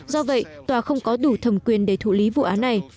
do vậy tòa không có đủ thẩm quyền để thụ lý vụ án này